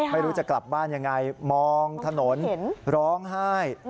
ไม่รู้จะกลับบ้านยังไงมองถนนร้องไห้